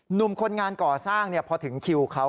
หนุ่มคนงานก่อสร้างพอถึงคิวเขา